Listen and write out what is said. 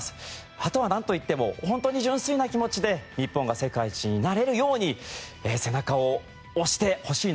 あとはなんといっても本当に純粋な気持ちで日本が世界一になれるように背中を押してほしいなと思います。